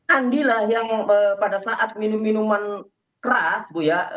andi lah yang pada saat minum minuman keras bu ya